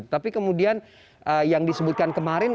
tapi kemudian yang disebutkan kemarin